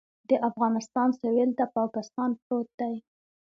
د افغانستان سویل ته پاکستان پروت دی